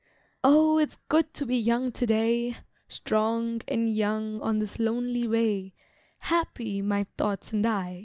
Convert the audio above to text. Oh! it's good to be young to day, Strong, and young, on this lonely way, Happy my thoughts and I!